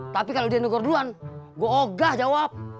tapi kalau dia negor duluan gue ogah jawab